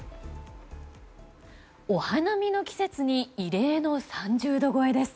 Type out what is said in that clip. お花見の季節に異例の３０度超えです。